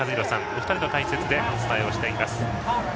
お二人の解説でお伝えしています。